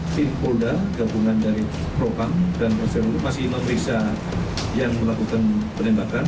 tim polda gabungan dari propam dan pose masih memeriksa yang melakukan penembakan